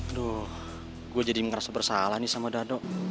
aduh gue jadi ngerasa bersalah nih sama dado